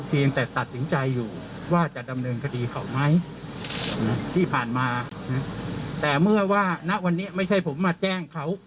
ยังแต่ตัดสินใจอยู่ว่าจะดำเนินคดีเขาไหมที่ผ่านมาแต่เมื่อว่าณวันนี้ไม่ใช่ผมมาแจ้งเขา